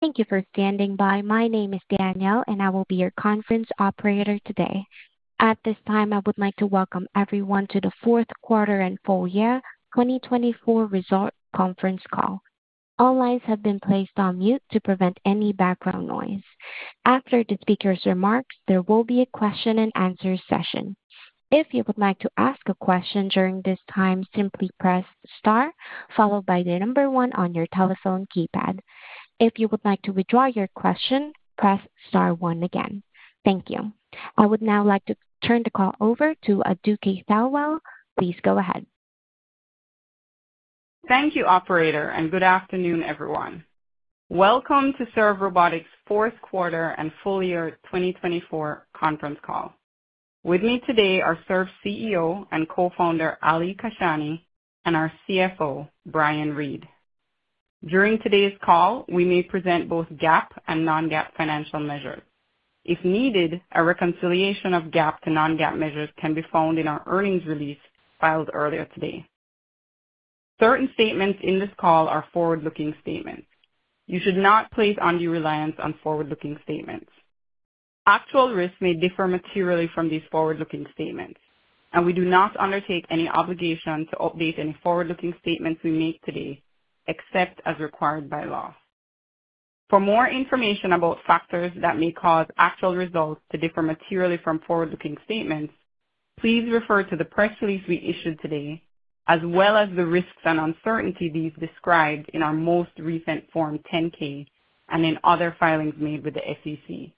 Thank you for standing by. My name is Danielle, and I will be your conference operator today. At this time, I would like to welcome everyone to the fourth quarter and full year 2024 Result Conference Call. All lines have been placed on mute to prevent any background noise. After the speaker's remarks, there will be a question-and-answer session. If you would like to ask a question during this time, simply press Star, followed by the number one on your telephone keypad. If you would like to withdraw your question, press Star one again. Thank you. I would now like to turn the call over to Aduke Thelwell. Please go ahead. Thank you, Operator, and good afternoon, everyone. Welcome to Serve Robotics' fourth quarter and full year 2024 Conference Call. With me today are Serve CEO and co-founder Ali Kashani and our CFO, Brian Read. During today's call, we may present both GAAP and non-GAAP financial measures. If needed, a reconciliation of GAAP to non-GAAP measures can be found in our earnings release filed earlier today. Certain statements in this call are forward-looking statements. You should not place undue reliance on forward-looking statements. Actual risks may differ materially from these forward-looking statements, and we do not undertake any obligation to update any forward-looking statements we make today, except as required by law. For more information about factors that may cause actual results to differ materially from forward-looking statements, please refer to the press release we issued today, as well as the risks and uncertainties described in our most recent Form 10-K and in other filings made with the SEC.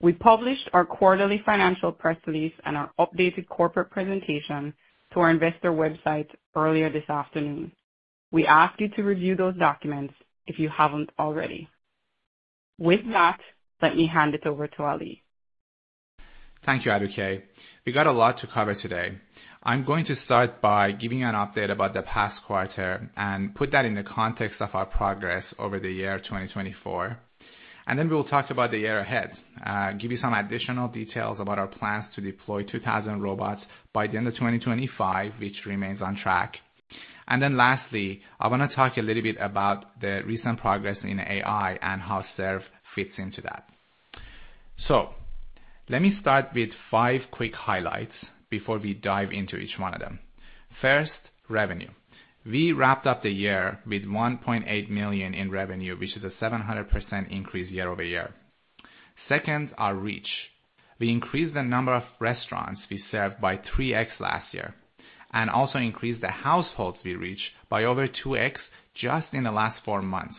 We published our quarterly financial press release and our updated corporate presentation to our investor website earlier this afternoon. We ask you to review those documents if you haven't already. With that, let me hand it over to Ali. Thank you, Aduke. We got a lot to cover today. I'm going to start by giving you an update about the past quarter and put that in the context of our progress over the year 2024. We will talk about the year ahead, give you some additional details about our plans to deploy 2,000 robots by the end of 2025, which remains on track. Lastly, I want to talk a little bit about the recent progress in AI and how Serve fits into that. Let me start with five quick highlights before we dive into each one of them. First, revenue. We wrapped up the year with $1.8 million in revenue, which is a 700% increase year over year. Second, our reach. We increased the number of restaurants we served by 3X last year and also increased the households we reach by over 2X just in the last four months.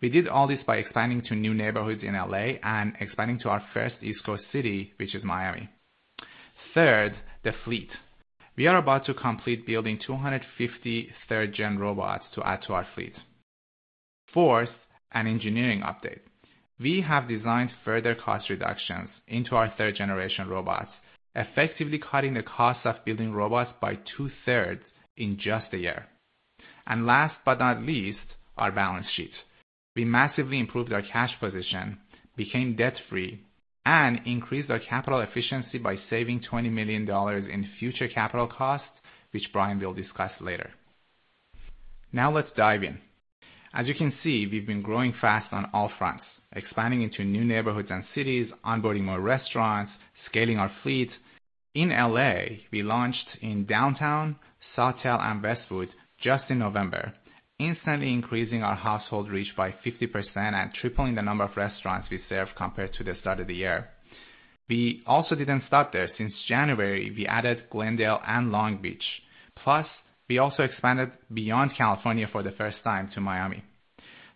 We did all this by expanding to new neighborhoods in Los Angeles and expanding to our first East Coast city, which is Miami. Third, the fleet. We are about to complete building 250 3rd-gen robots to add to our fleet. Fourth, an engineering update. We have designed further cost reductions into our 3rd generation robots, effectively cutting the cost of building robots by two-thirds in just a year. Last but not least, our balance sheet. We massively improved our cash position, became debt-free, and increased our capital efficiency by saving $20 million in future capital costs, which Brian will discuss later. Now let's dive in. As you can see, we've been growing fast on all fronts, expanding into new neighborhoods and cities, onboarding more restaurants, scaling our fleet. In Los Angeles, we launched in Downtown LA, Sawtelle, and Westwood just in November, instantly increasing our household reach by 50% and tripling the number of restaurants we served compared to the start of the year. We also didn't stop there. Since January, we added Glendale and Long Beach. Plus, we also expanded beyond California for the first time to Miami.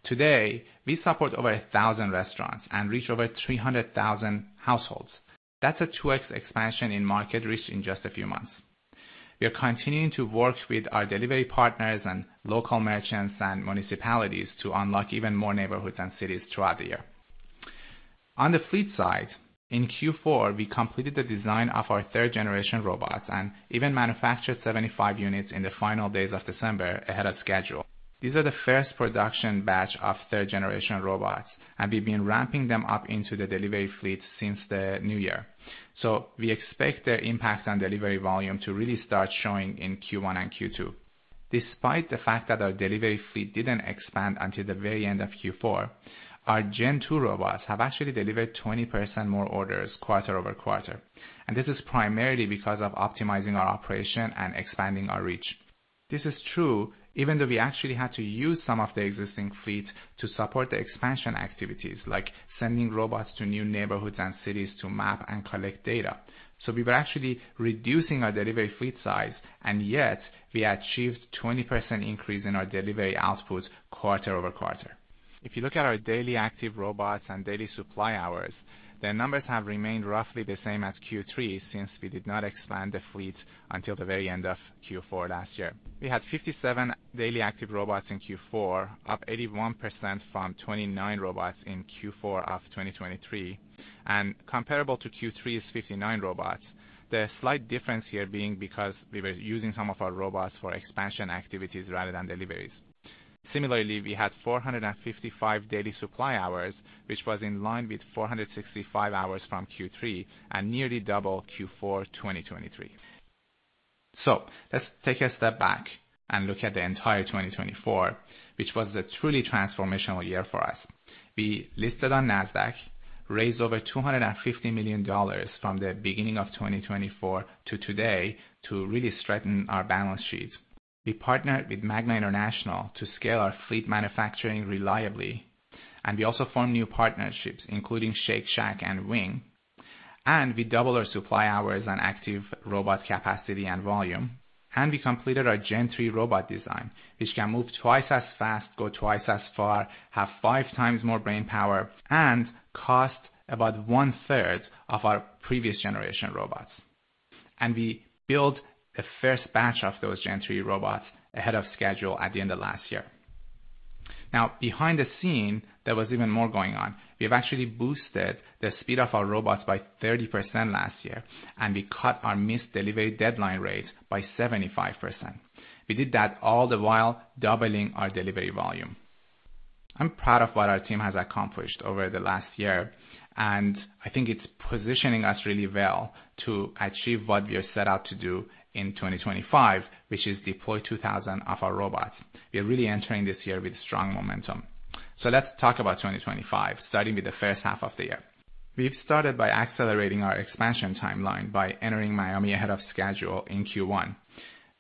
Today, we support over 1,000 restaurants and reach over 300,000 households. That's a 2X expansion in market reach in just a few months. We are continuing to work with our delivery partners and local merchants and municipalities to unlock even more neighborhoods and cities throughout the year. On the fleet side, in Q4, we completed the design of our 3rd generation robots and even manufactured 75 units in the final days of December ahead of schedule. These are the first production batch of third-generation robots, and we've been ramping them up into the delivery fleet since the new year. We expect their impact on delivery volume to really start showing in Q1 and Q2. Despite the fact that our delivery fleet didn't expand until the very end of Q4, our Gen 2 robots have actually delivered 20% more orders quarter over quarter. This is primarily because of optimizing our operation and expanding our reach. This is true even though we actually had to use some of the existing fleet to support the expansion activities, like sending robots to new neighborhoods and cities to map and collect data. We were actually reducing our delivery fleet size, and yet we achieved a 20% increase in our delivery output quarter over quarter. If you look at our daily active robots and daily supply hours, the numbers have remained roughly the same as Q3 since we did not expand the fleet until the very end of Q4 last year. We had 57 daily active robots in Q4, up 81% from 29 robots in Q4 of 2023, and comparable to Q3's 59 robots, the slight difference here being because we were using some of our robots for expansion activities rather than deliveries. Similarly, we had 455 daily supply hours, which was in line with 465 hours from Q3 and nearly double Q4 2023. Let's take a step back and look at the entire 2024, which was a truly transformational year for us. We listed on NASDAQ, raised over $250 million from the beginning of 2024 to today to really strengthen our balance sheet. We partnered with Magna International to scale our fleet manufacturing reliably, and we also formed new partnerships, including Shake Shack and Wing. We doubled our supply hours and active robot capacity and volume. We completed our Gen 3 robot design, which can move twice as fast, go twice as far, have five times more brain power, and cost about one-third of our previous generation robots. We built the first batch of those Gen 3 robots ahead of schedule at the end of last year. Now, behind the scene, there was even more going on. We have actually boosted the speed of our robots by 30% last year, and we cut our missed delivery deadline rate by 75%. We did that all the while doubling our delivery volume. I'm proud of what our team has accomplished over the last year, and I think it's positioning us really well to achieve what we are set out to do in 2025, which is deploy 2,000 of our robots. We are really entering this year with strong momentum. Let's talk about 2025, starting with the first half of the year. We've started by accelerating our expansion timeline by entering Miami ahead of schedule in Q1.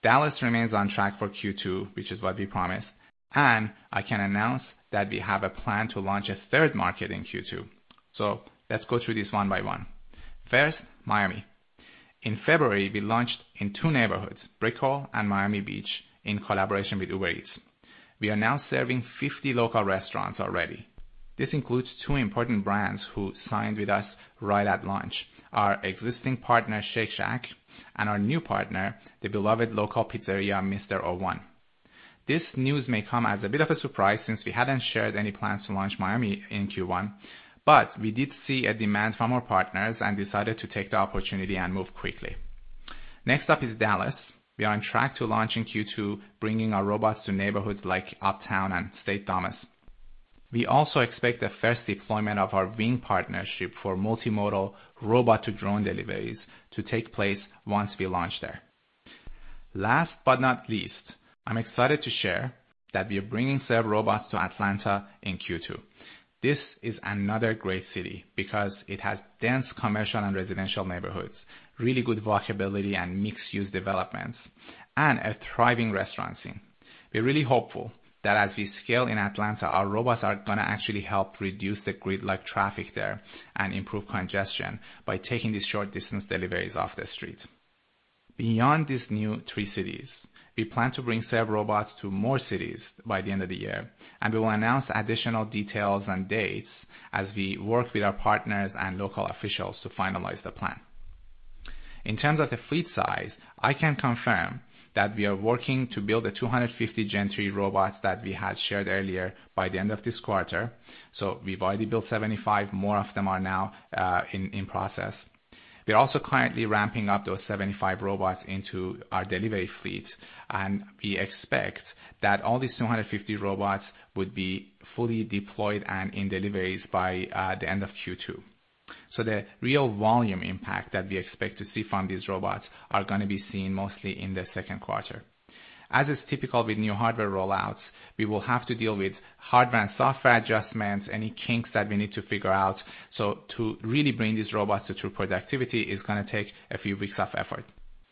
Dallas remains on track for Q2, which is what we promised. I can announce that we have a plan to launch a third market in Q2. Let's go through this one by one. First, Miami. In February, we launched in two neighborhoods, Brickell and Miami Beach, in collaboration with Uber Eats. We are now serving 50 local restaurants already. This includes two important brands who signed with us right at launch: our existing partner, Shake Shack, and our new partner, the beloved local pizzeria, Mister O1. This news may come as a bit of a surprise since we had not shared any plans to launch Miami in Q1, but we did see a demand from our partners and decided to take the opportunity and move quickly. Next up is Dallas. We are on track to launch in Q2, bringing our robots to neighborhoods like Uptown and St. Thomas. We also expect the first deployment of our Wing partnership for multimodal robot-to-drone deliveries to take place once we launch there. Last but not least, I am excited to share that we are bringing Serve robots to Atlanta in Q2. This is another great city because it has dense commercial and residential neighborhoods, really good walkability and mixed-use developments, and a thriving restaurant scene. We're really hopeful that as we scale in Atlanta, our robots are going to actually help reduce the grid-like traffic there and improve congestion by taking these short-distance deliveries off the street. Beyond these new three cities, we plan to bring Serve robots to more cities by the end of the year, and we will announce additional details and dates as we work with our partners and local officials to finalize the plan. In terms of the fleet size, I can confirm that we are working to build the 250 Gen 3 robots that we had shared earlier by the end of this quarter. We've already built 75, more of them are now in process. We're also currently ramping up those 75 robots into our delivery fleet, and we expect that all these 250 robots would be fully deployed and in deliveries by the end of Q2. The real volume impact that we expect to see from these robots is going to be seen mostly in the second quarter. As is typical with new hardware rollouts, we will have to deal with hardware and software adjustments, any kinks that we need to figure out. To really bring these robots to true productivity is going to take a few weeks of effort.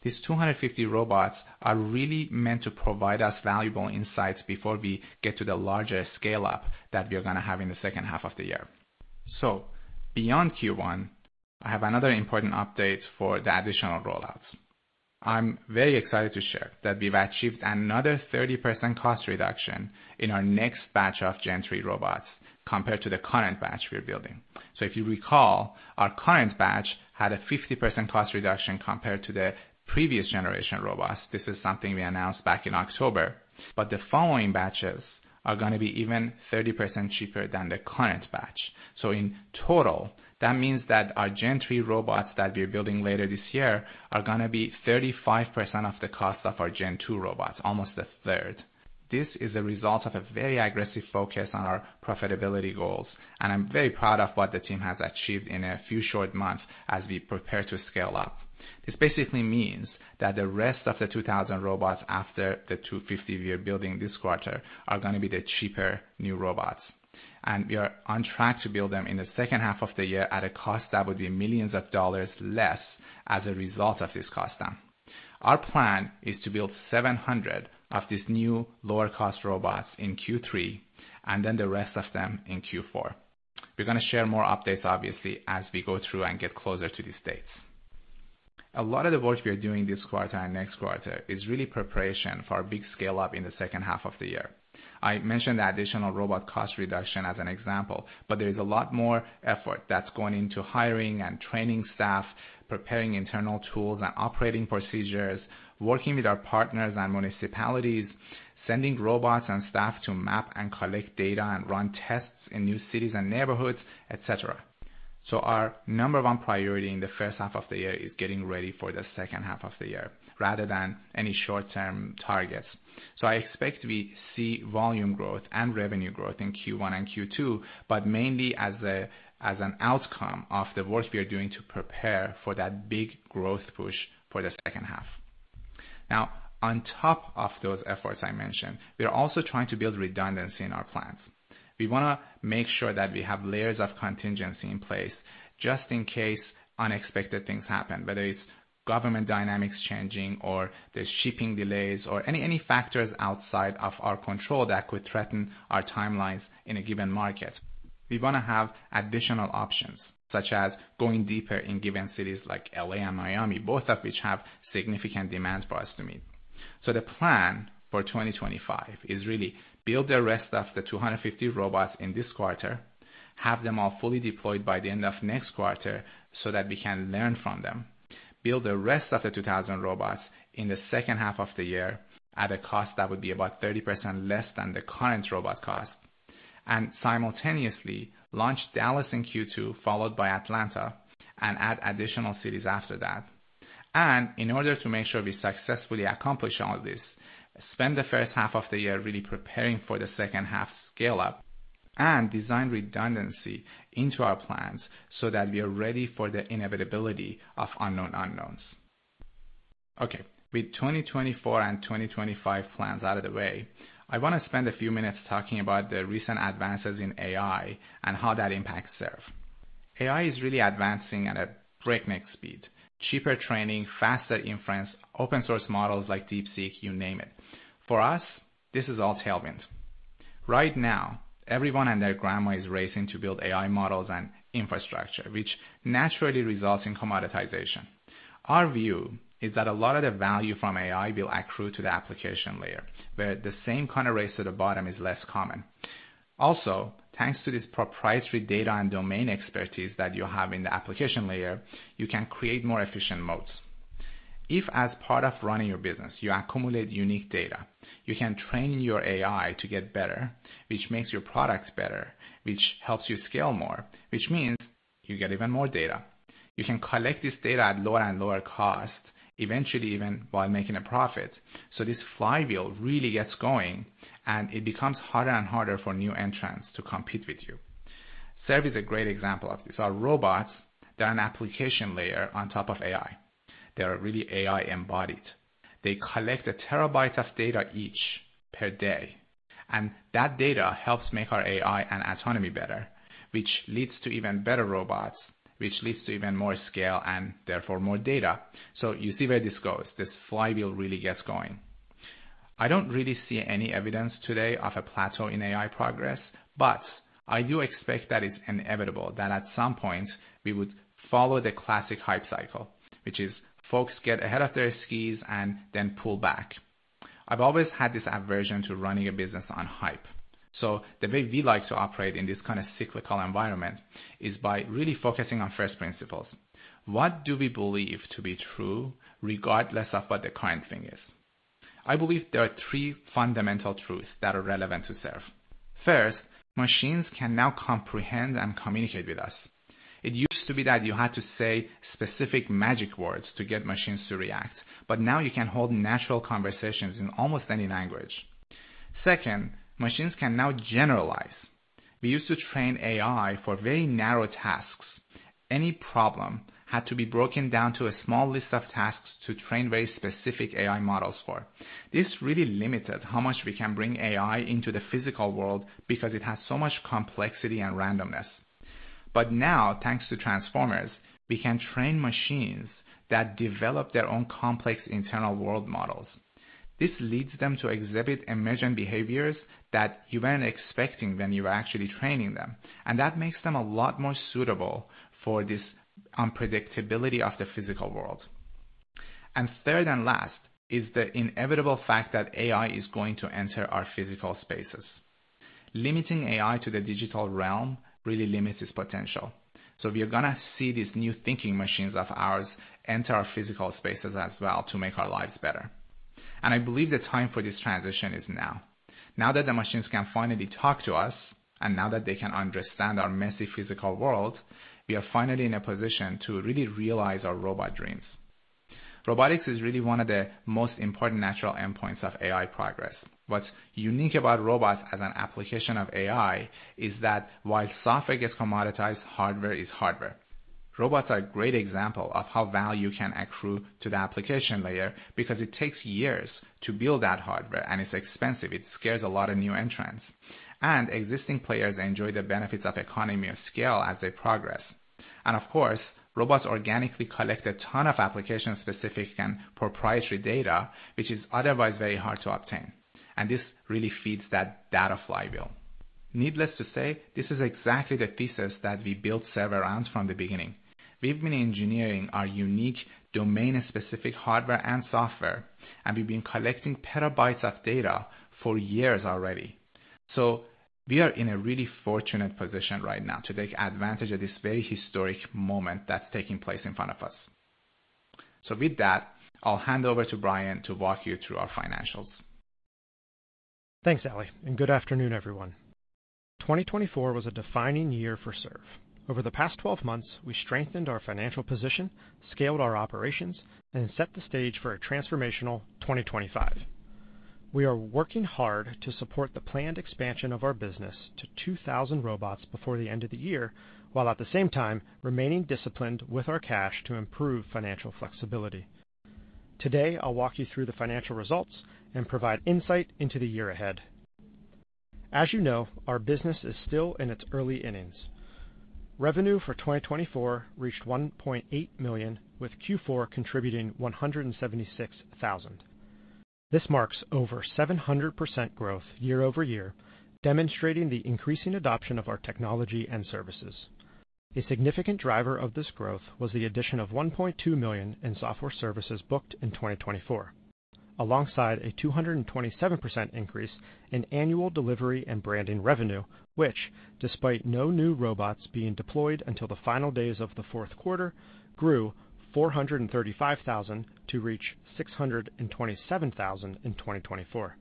These 250 robots are really meant to provide us valuable insights before we get to the larger scale-up that we are going to have in the second half of the year. Beyond Q1, I have another important update for the additional rollouts. I'm very excited to share that we've achieved another 30% cost reduction in our next batch of Gen 3 robots compared to the current batch we're building. If you recall, our current batch had a 50% cost reduction compared to the previous generation robots. This is something we announced back in October. The following batches are going to be even 30% cheaper than the current batch. In total, that means that our Gen 3 robots that we are building later this year are going to be 35% of the cost of our Gen 2 robots, almost a third. This is a result of a very aggressive focus on our profitability goals, and I'm very proud of what the team has achieved in a few short months as we prepare to scale up. This basically means that the rest of the 2,000 robots after the 250 we are building this quarter are going to be the cheaper new robots. We are on track to build them in the second half of the year at a cost that would be millions of dollars less as a result of this cost down. Our plan is to build 700 of these new lower-cost robots in Q3 and then the rest of them in Q4. We are going to share more updates, obviously, as we go through and get closer to these dates. A lot of the work we are doing this quarter and next quarter is really preparation for a big scale-up in the second half of the year. I mentioned the additional robot cost reduction as an example, but there is a lot more effort that's going into hiring and training staff, preparing internal tools and operating procedures, working with our partners and municipalities, sending robots and staff to map and collect data and run tests in new cities and neighborhoods, etc. Our number one priority in the first half of the year is getting ready for the second half of the year rather than any short-term targets. I expect we see volume growth and revenue growth in Q1 and Q2, but mainly as an outcome of the work we are doing to prepare for that big growth push for the second half. Now, on top of those efforts I mentioned, we are also trying to build redundancy in our plans. We want to make sure that we have layers of contingency in place just in case unexpected things happen, whether it's government dynamics changing or the shipping delays or any factors outside of our control that could threaten our timelines in a given market. We want to have additional options, such as going deeper in given cities like L.A. and Miami, both of which have significant demand for us to meet. The plan for 2025 is really to build the rest of the 250 robots in this quarter, have them all fully deployed by the end of next quarter so that we can learn from them, build the rest of the 2,000 robots in the second half of the year at a cost that would be about 30% less than the current robot cost, and simultaneously launch Dallas in Q2, followed by Atlanta, and add additional cities after that. In order to make sure we successfully accomplish all this, spend the first half of the year really preparing for the second half scale-up and design redundancy into our plans so that we are ready for the inevitability of unknown unknowns. Okay, with 2024 and 2025 plans out of the way, I want to spend a few minutes talking about the recent advances in AI and how that impacts Serve. AI is really advancing at a breakneck speed: cheaper training, faster inference, open-source models like DeepSeek, you name it. For us, this is all tailwind. Right now, everyone and their grandma is racing to build AI models and infrastructure, which naturally results in commoditization. Our view is that a lot of the value from AI will accrue to the application layer, where the same kind of race to the bottom is less common. Also, thanks to this proprietary data and domain expertise that you have in the application layer, you can create more efficient modes. If, as part of running your business, you accumulate unique data, you can train your AI to get better, which makes your products better, which helps you scale more, which means you get even more data. You can collect this data at lower and lower costs, eventually even while making a profit. This flywheel really gets going, and it becomes harder and harder for new entrants to compete with you. Serve is a great example of this. Our robots, they're an application layer on top of AI. They're really AI-embodied. They collect a terabyte of data each per day. That data helps make our AI and autonomy better, which leads to even better robots, which leads to even more scale and therefore more data. You see where this goes. This flywheel really gets going. I do not really see any evidence today of a plateau in AI progress, but I do expect that it is inevitable that at some point we would follow the classic hype cycle, which is folks get ahead of their skis and then pull back. I have always had this aversion to running a business on hype. The way we like to operate in this kind of cyclical environment is by really focusing on first principles. What do we believe to be true regardless of what the current thing is? I believe there are three fundamental truths that are relevant to Serve. First, machines can now comprehend and communicate with us. It used to be that you had to say specific magic words to get machines to react, but now you can hold natural conversations in almost any language. Second, machines can now generalize. We used to train AI for very narrow tasks. Any problem had to be broken down to a small list of tasks to train very specific AI models for. This really limited how much we can bring AI into the physical world because it has so much complexity and randomness. Now, thanks to transformers, we can train machines that develop their own complex internal world models. This leads them to exhibit emergent behaviors that you were not expecting when you were actually training them, and that makes them a lot more suitable for this unpredictability of the physical world. Third and last is the inevitable fact that AI is going to enter our physical spaces. Limiting AI to the digital realm really limits its potential. We are going to see these new thinking machines of ours enter our physical spaces as well to make our lives better. I believe the time for this transition is now. Now that the machines can finally talk to us and now that they can understand our messy physical world, we are finally in a position to really realize our robot dreams. Robotics is really one of the most important natural endpoints of AI progress. What's unique about robots as an application of AI is that while software gets commoditized, hardware is hardware. Robots are a great example of how value can accrue to the application layer because it takes years to build that hardware, and it's expensive. It scares a lot of new entrants. Existing players enjoy the benefits of economy of scale as they progress. Robots organically collect a ton of application-specific and proprietary data, which is otherwise very hard to obtain. This really feeds that data flywheel. Needless to say, this is exactly the thesis that we built Serve around from the beginning. We've been engineering our unique domain-specific hardware and software, and we've been collecting petabytes of data for years already. We are in a really fortunate position right now to take advantage of this very historic moment that's taking place in front of us. With that, I'll hand over to Brian to walk you through our financials. Thanks, Ali, and good afternoon, everyone. 2024 was a defining year for Serve. Over the past 12 months, we strengthened our financial position, scaled our operations, and set the stage for a transformational 2025. We are working hard to support the planned expansion of our business to 2,000 robots before the end of the year, while at the same time remaining disciplined with our cash to improve financial flexibility. Today, I'll walk you through the financial results and provide insight into the year ahead. As you know, our business is still in its early innings. Revenue for 2024 reached $1.8 million, with Q4 contributing $176,000. This marks over 700% growth year-over-year, demonstrating the increasing adoption of our technology and services. A significant driver of this growth was the addition of $1.2 million in software services booked in 2024, alongside a 227% increase in annual delivery and branding revenue, which, despite no new robots being deployed until the final days of the fourth quarter, grew $435,000 to reach $627,000 in 2024.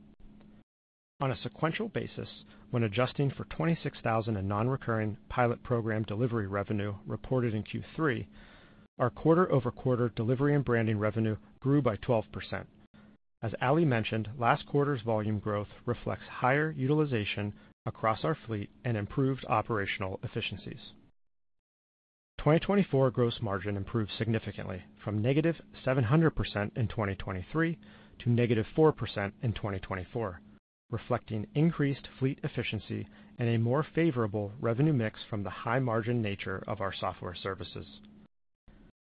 On a sequential basis, when adjusting for $26,000 in non-recurring pilot program delivery revenue reported in Q3, our quarter-over-quarter delivery and branding revenue grew by 12%. As Ali mentioned, last quarter's volume growth reflects higher utilization across our fleet and improved operational efficiencies. 2024 gross margin improved significantly from -700% in 2023 to -4% in 2024, reflecting increased fleet efficiency and a more favorable revenue mix from the high-margin nature of our software services.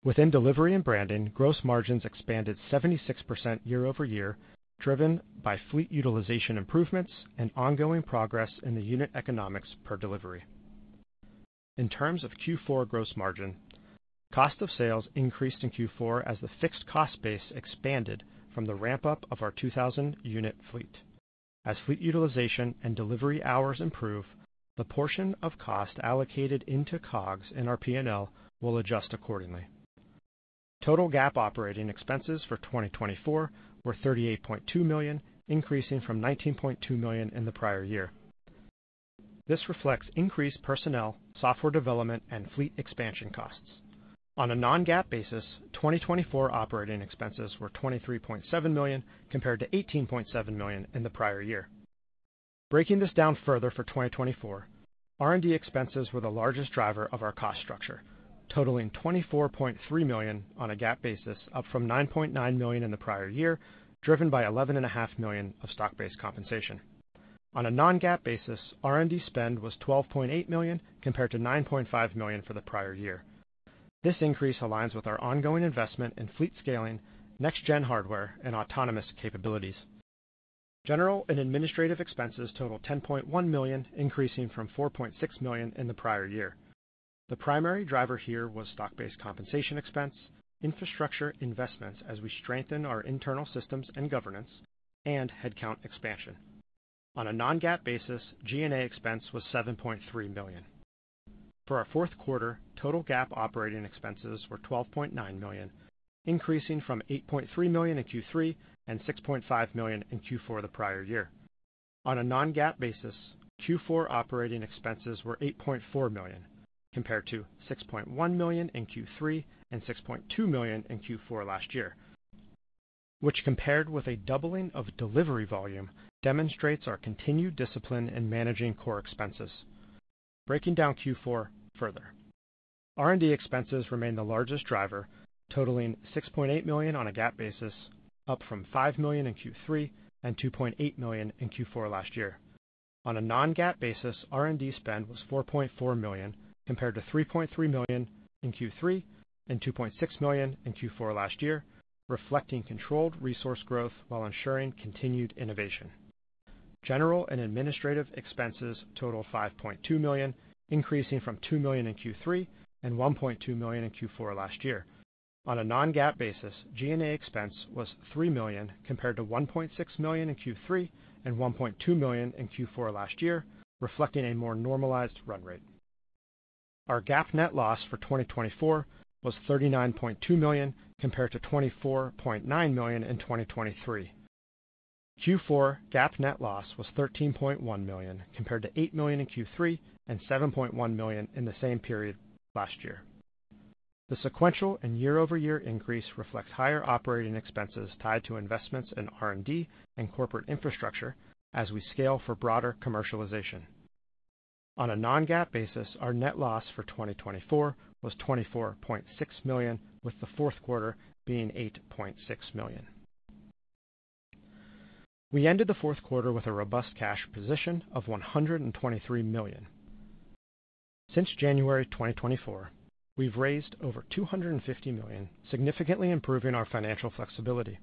Within delivery and branding, gross margins expanded 76% year over year, driven by fleet utilization improvements and ongoing progress in the unit economics per delivery. In terms of Q4 gross margin, cost of sales increased in Q4 as the fixed cost base expanded from the ramp-up of our 2,000-unit fleet. As fleet utilization and delivery hours improve, the portion of cost allocated into COGS in our P&L will adjust accordingly. Total GAAP operating expenses for 2024 were $38.2 million, increasing from $19.2 million in the prior year. This reflects increased personnel, software development, and fleet expansion costs. On a non-GAAP basis, 2024 operating expenses were $23.7 million compared to $18.7 million in the prior year. Breaking this down further for 2024, R&D expenses were the largest driver of our cost structure, totaling $24.3 million on a GAAP basis, up from $9.9 million in the prior year, driven by $11.5 million of stock-based compensation. On a non-GAAP basis, R&D spend was $12.8 million compared to $9.5 million for the prior year. This increase aligns with our ongoing investment in fleet scaling, next-gen hardware, and autonomous capabilities. General and administrative expenses total $10.1 million, increasing from $4.6 million in the prior year. The primary driver here was stock-based compensation expense, infrastructure investments as we strengthen our internal systems and governance, and headcount expansion. On a non-GAAP basis, G&A expense was $7.3 million. For our fourth quarter, total GAAP operating expenses were $12.9 million, increasing from $8.3 million in Q3 and $6.5 million in Q4 the prior year. On a non-GAAP basis, Q4 operating expenses were $8.4 million compared to $6.1 million in Q3 and $6.2 million in Q4 last year, which, compared with a doubling of delivery volume, demonstrates our continued discipline in managing core expenses. Breaking down Q4 further, R&D expenses remain the largest driver, totaling $6.8 million on a GAAP basis, up from $5 million in Q3 and $2.8 million in Q4 last year. On a non-GAAP basis, R&D spend was $4.4 million compared to $3.3 million in Q3 and $2.6 million in Q4 last year, reflecting controlled resource growth while ensuring continued innovation. General and administrative expenses total $5.2 million, increasing from $2 million in Q3 and $1.2 million in Q4 last year. On a non-GAAP basis, G&A expense was $3 million compared to $1.6 million in Q3 and $1.2 million in Q4 last year, reflecting a more normalized run rate. Our GAAP net loss for 2024 was $39.2 million compared to $24.9 million in 2023. Q4 GAAP net loss was $13.1 million compared to $8 million in Q3 and $7.1 million in the same period last year. The sequential and year-over-year increase reflects higher operating expenses tied to investments in R&D and corporate infrastructure as we scale for broader commercialization. On a non-GAAP basis, our net loss for 2024 was $24.6 million, with the fourth quarter being $8.6 million. We ended the fourth quarter with a robust cash position of $123 million. Since January 2024, we've raised over $250 million, significantly improving our financial flexibility.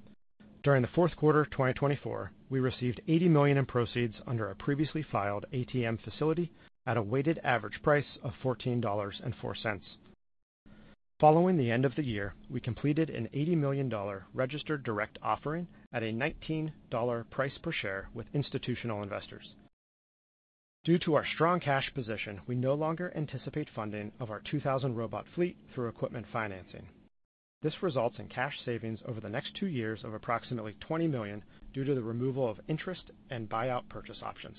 During the fourth quarter of 2024, we received $80 million in proceeds under a previously filed ATM facility at a weighted average price of $14.04. Following the end of the year, we completed an $80 million registered direct offering at a $19 price per share with institutional investors. Due to our strong cash position, we no longer anticipate funding of our 2,000 robot fleet through equipment financing. This results in cash savings over the next two years of approximately $20 million due to the removal of interest and buyout purchase options.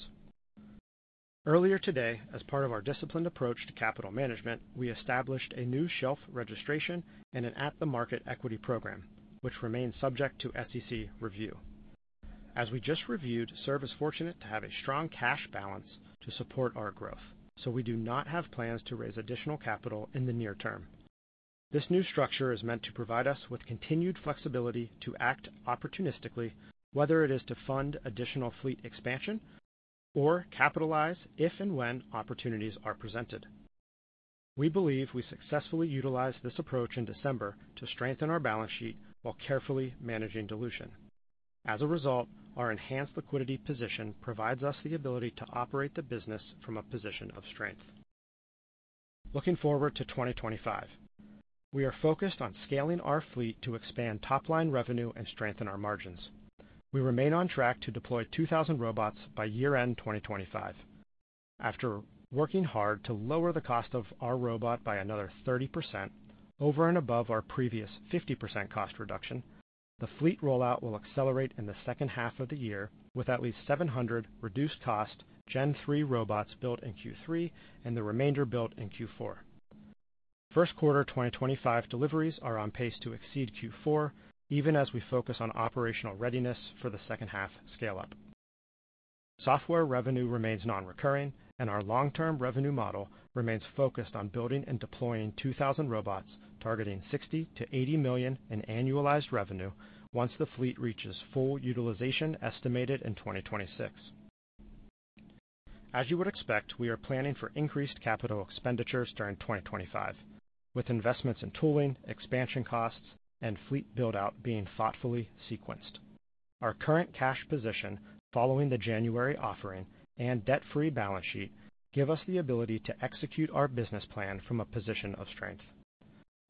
Earlier today, as part of our disciplined approach to capital management, we established a new shelf registration and an at-the-market equity program, which remains subject to SEC review. As we just reviewed, Serve is fortunate to have a strong cash balance to support our growth, so we do not have plans to raise additional capital in the near term. This new structure is meant to provide us with continued flexibility to act opportunistically, whether it is to fund additional fleet expansion or capitalize if and when opportunities are presented. We believe we successfully utilized this approach in December to strengthen our balance sheet while carefully managing dilution. As a result, our enhanced liquidity position provides us the ability to operate the business from a position of strength. Looking forward to 2025, we are focused on scaling our fleet to expand top-line revenue and strengthen our margins. We remain on track to deploy 2,000 robots by year-end 2025. After working hard to lower the cost of our robot by another 30% over and above our previous 50% cost reduction, the fleet rollout will accelerate in the second half of the year with at least 700 reduced-cost Gen 3 robots built in Q3 and the remainder built in Q4. First quarter 2025 deliveries are on pace to exceed Q4, even as we focus on operational readiness for the second-half scale-up. Software revenue remains non-recurring, and our long-term revenue model remains focused on building and deploying 2,000 robots, targeting $60 million-$80 million in annualized revenue once the fleet reaches full utilization estimated in 2026. As you would expect, we are planning for increased capital expenditures during 2025, with investments in tooling, expansion costs, and fleet build-out being thoughtfully sequenced. Our current cash position, following the January offering and debt-free balance sheet, gives us the ability to execute our business plan from a position of strength.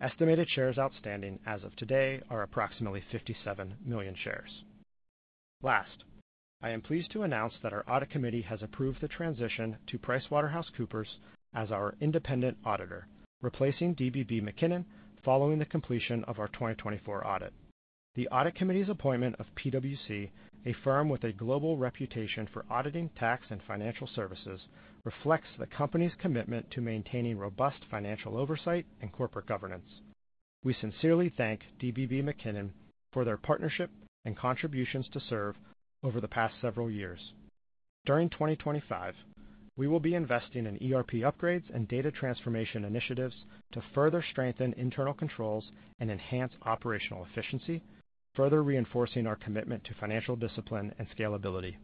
Estimated shares outstanding as of today are approximately $57 million shares. Last, I am pleased to announce that our audit committee has approved the transition to PricewaterhouseCoopers as our independent auditor, replacing DBB McKinnon following the completion of our 2024 audit. The audit committee's appointment of PwC, a firm with a global reputation for auditing tax and financial services, reflects the company's commitment to maintaining robust financial oversight and corporate governance. We sincerely thank DBB McKinnon for their partnership and contributions to Serve over the past several years. During 2025, we will be investing in ERP upgrades and data transformation initiatives to further strengthen internal controls and enhance operational efficiency, further reinforcing our commitment to financial discipline and scalability.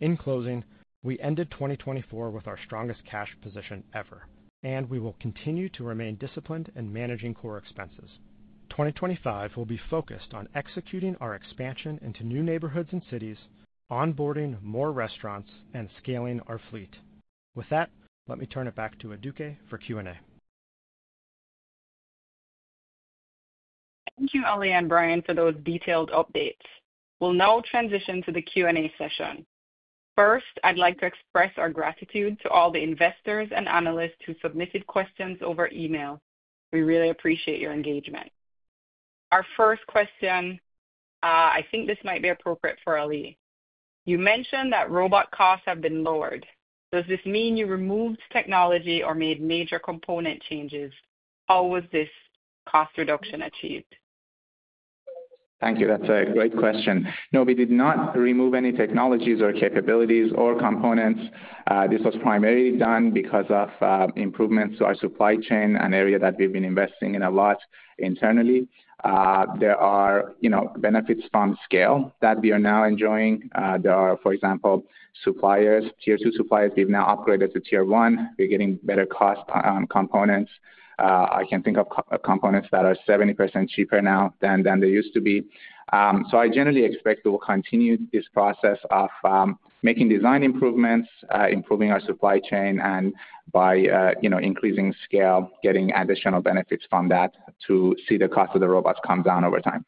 In closing, we ended 2024 with our strongest cash position ever, and we will continue to remain disciplined in managing core expenses. 2025 will be focused on executing our expansion into new neighborhoods and cities, onboarding more restaurants, and scaling our fleet. With that, let me turn it back to Aduke for Q&A. Thank you, Ali and Brian, for those detailed updates. We'll now transition to the Q&A session. First, I'd like to express our gratitude to all the investors and analysts who submitted questions over email. We really appreciate your engagement. Our first question, I think this might be appropriate for Ali. You mentioned that robot costs have been lowered. Does this mean you removed technology or made major component changes? How was this cost reduction achieved? Thank you. That's a great question. No, we did not remove any technologies or capabilities or components. This was primarily done because of improvements to our supply chain, an area that we've been investing in a lot internally. There are benefits from scale that we are now enjoying. There are, for example, suppliers, tier-two suppliers. We've now upgraded to tier one. We're getting better cost components. I can think of components that are 70% cheaper now than they used to be. I generally expect we'll continue this process of making design improvements, improving our supply chain, and by increasing scale, getting additional benefits from that to see the cost of the robots come down over time.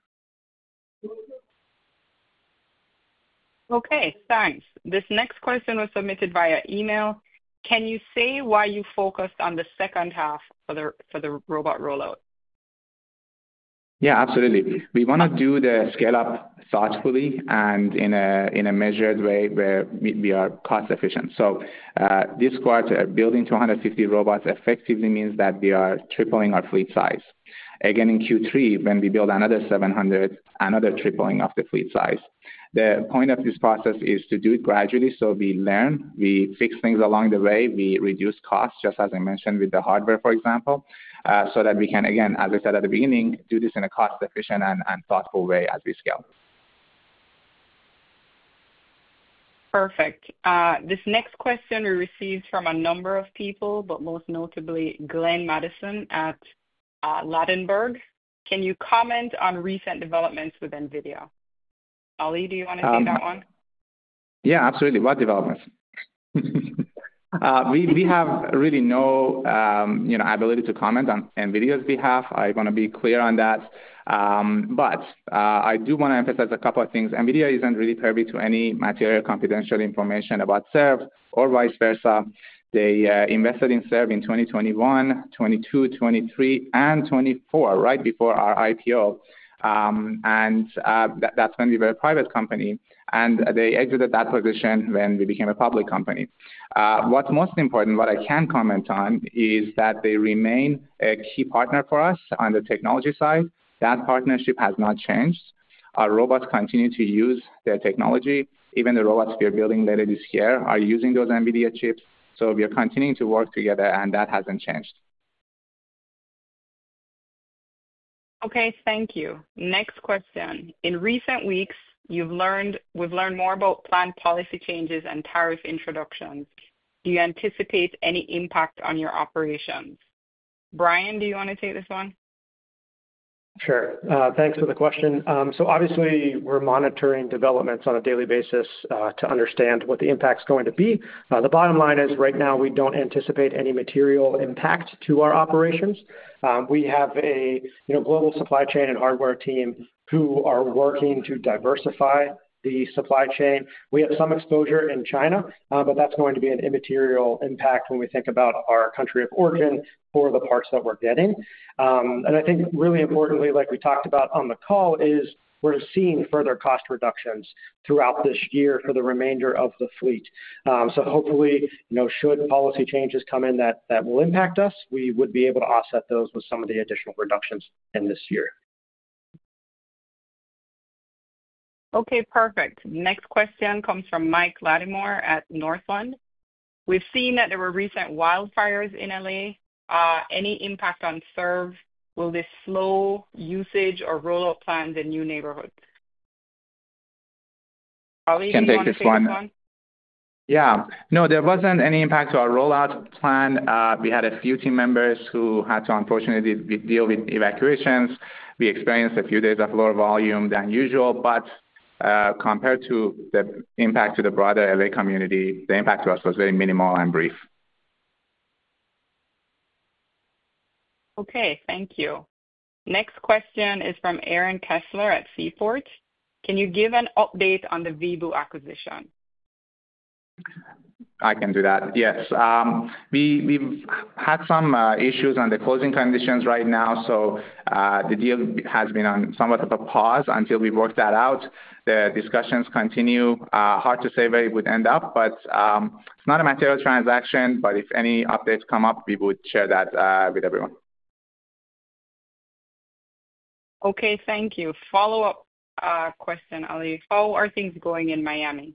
Okay, thanks. This next question was submitted via email. Can you say why you focused on the second half for the robot rollout? Yeah, absolutely. We want to do the scale-up thoughtfully and in a measured way where we are cost-efficient. This quarter, building 250 robots effectively means that we are tripling our fleet size. Again, in Q3, when we build another 700, another tripling of the fleet size. The point of this process is to do it gradually so we learn, we fix things along the way, we reduce costs, just as I mentioned with the hardware, for example, so that we can, again, as I said at the beginning, do this in a cost-efficient and thoughtful way as we scale. Perfect. This next question we received from a number of people, but most notably Glenn Madison at Oppenheimer. Can you comment on recent developments with NVIDIA? Ali, do you want to take that one? Yeah, absolutely. What developments? We have really no ability to comment on NVIDIA's behalf. I want to be clear on that. But I do want to emphasize a couple of things. NVIDIA isn't really privy to any material confidential information about Serve or vice versa. They invested in Serve in 2021, 2022, 2023, and 2024, right before our IPO. That is going to be a very private company. They exited that position when we became a public company. What's most important, what I can comment on, is that they remain a key partner for us on the technology side. That partnership has not changed. Our robots continue to use their technology. Even the robots we are building later this year are using those NVIDIA chips. We are continuing to work together, and that hasn't changed. Okay, thank you. Next question. In recent weeks, we've learned more about planned policy changes and tariff introductions. Do you anticipate any impact on your operations? Brian, do you want to take this one? Sure. Thanks for the question. Obviously, we're monitoring developments on a daily basis to understand what the impact's going to be. The bottom line is, right now, we don't anticipate any material impact to our operations. We have a global supply chain and hardware team who are working to diversify the supply chain. We have some exposure in China, but that's going to be an immaterial impact when we think about our country of origin for the parts that we're getting. I think, really importantly, like we talked about on the call, we're seeing further cost reductions throughout this year for the remainder of the fleet. Hopefully, should policy changes come in that will impact us, we would be able to offset those with some of the additional reductions in this year. Okay, perfect. Next question comes from Mike Latimore at Northland. We've seen that there were recent wildfires in L.A. Any impact on Serve? Will this slow usage or rollout plans in new neighborhoods? Ali, can you take this one? Yeah. No, there was not any impact to our rollout plan. We had a few team members who had to, unfortunately, deal with evacuations. We experienced a few days of lower volume than usual. Compared to the impact to the broader L.A. community, the impact to us was very minimal and brief. Okay, thank you. Next question is from Aaron Kessler at Covert Edge. Can you give an update on the Vayu acquisition? I can do that. Yes. We have had some issues on the closing conditions right now. The deal has been on somewhat of a pause until we work that out. The discussions continue. Hard to say where it would end up, but it is not a material transaction. If any updates come up, we would share that with everyone. Okay, thank you. Follow-up question, Ali. How are things going in Miami?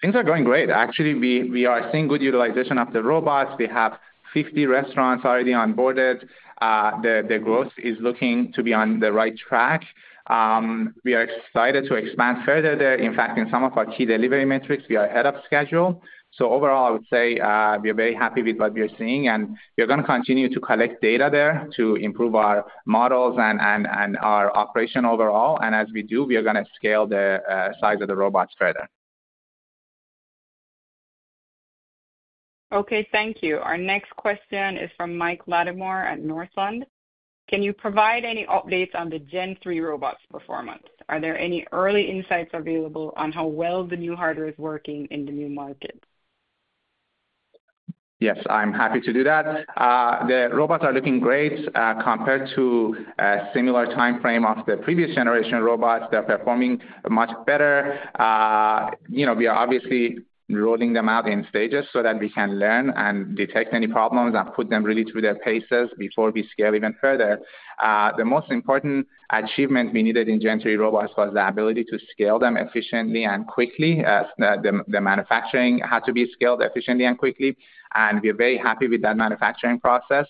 Things are going great. Actually, we are seeing good utilization of the robots. We have 50 restaurants already onboarded. The growth is looking to be on the right track. We are excited to expand further there. In fact, in some of our key delivery metrics, we are ahead of schedule. Overall, I would say we are very happy with what we are seeing. We are going to continue to collect data there to improve our models and our operation overall. As we do, we are going to scale the size of the robots further. Okay, thank you. Our next question is from Mike Latimore at Northland. Can you provide any updates on the Gen 3 robots' performance? Are there any early insights available on how well the new hardware is working in the new market? Yes, I'm happy to do that. The robots are looking great. Compared to a similar timeframe of the previous generation robots, they're performing much better. We are obviously rolling them out in stages so that we can learn and detect any problems and put them really to their paces before we scale even further. The most important achievement we needed in Gen 3 robots was the ability to scale them efficiently and quickly. The manufacturing had to be scaled efficiently and quickly. We are very happy with that manufacturing process.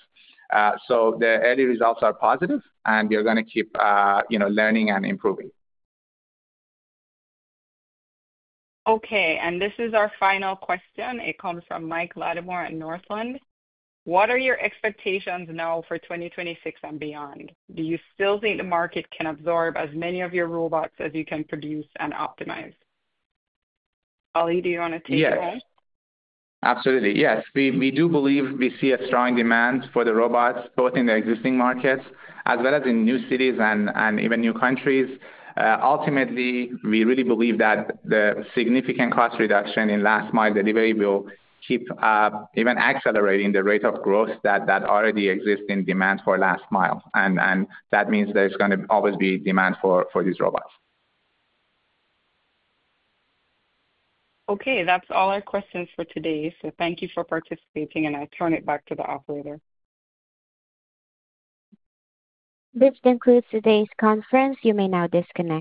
The early results are positive, and we are going to keep learning and improving. Okay, and this is our final question. It comes from Mike Latimore at Northland. What are your expectations now for 2026 and beyond? Do you still think the market can absorb as many of your robots as you can produce and optimize? Ali, do you want to take it home? Yes. Absolutely. Yes, we do believe we see a strong demand for the robots, both in the existing markets as well as in new cities and even new countries. Ultimately, we really believe that the significant cost reduction in last-mile delivery will keep even accelerating the rate of growth that already exists in demand for last mile. That means there is going to always be demand for these robots. Okay, that is all our questions for today. Thank you for participating, and I turn it back to the operator. This concludes today's conference. You may now disconnect.